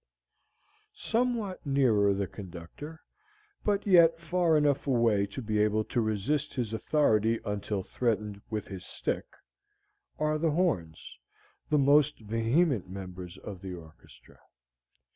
Somewhat nearer the conductor, but yet far enough away to be able to resist his authority until threatened with his stick, are the horns, the most vehement members of the orchestra.